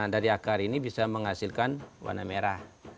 dari akar ini bisa menghasilkan warna merah